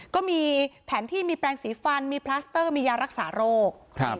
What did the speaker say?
ก็มีแผนที่มีแปลงสีฟันมีพลัสเตอร์มียารักษาโรค